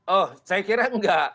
oh saya kira enggak